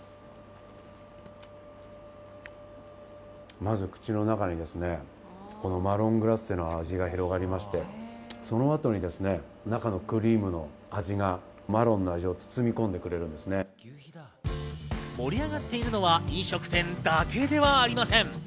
まず口の中にマロングラッセの味が広がりまして、そのあとに中のクリームの味がマロンの味を包み込んでくれるんで盛り上がっているのは飲食店だけではありません。